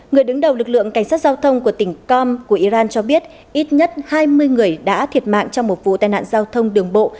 người đứng đầu lực lượng cảnh sát giao thông của tỉnh com của iran cho biết ít nhất hai mươi người đã thiệt mạng trong một vụ tai nạn giao thông đường bộ